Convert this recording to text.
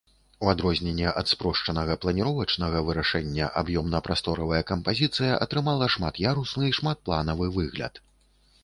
У адрозненне ад спрошчанага планіровачнага вырашэння аб'ёмна-прасторавая кампазіцыя атрымала шмат'ярусны шматпланавы выгляд.